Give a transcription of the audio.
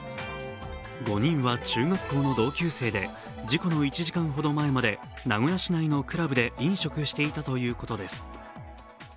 ５人は中学校の同級生で事故の１時間ほど前まで名古屋市内のクラブで飲食していたということです。